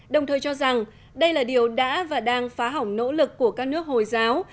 đồng thời cho rằng đây là điều đã và đang phá hỏng nỗ lực của các nước hồi giáo